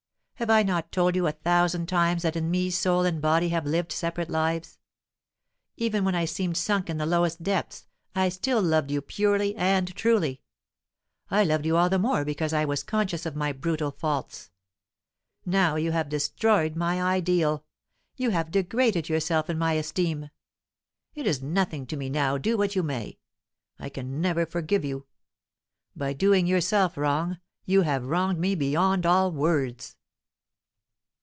Have I not told you a thousand times that in me soul and body have lived separate lives? Even when I seemed sunk in the lowest depths, I still loved you purely and truly; I loved you all the more because I was conscious of my brutal faults. Now you have destroyed my ideal; you have degraded yourself in my esteem. It is nothing to me now, do what you may! I can never forgive you. By doing yourself wrong, you have wronged me beyond all words!"